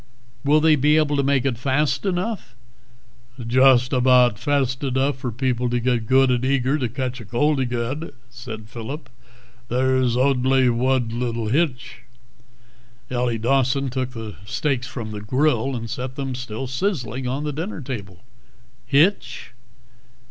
"Will they be able to make it fast enough?" "Just aboudt fast edough for people to get good ad eager to catch cold agaid," said Phillip. "There's odly wud little hitch...." Ellie Dawson took the steaks from the grill and set them, still sizzling, on the dinner table. "Hitch?"